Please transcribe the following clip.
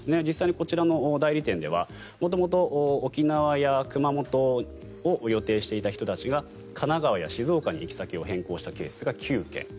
実際にこちらの代理店では元々、沖縄や熊本を予定していた人たちが神奈川や静岡に行き先を変更したケースが９件。